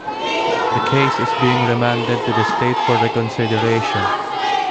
The case is being remanded to the state for reconsideration.